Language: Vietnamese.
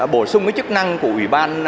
bổ sung chức năng của ủy ban